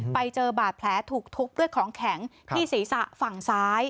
ไปเจอบาดแผลถูกทุบด้วยของแข็งที่ศีรษะฝั่งซ้าย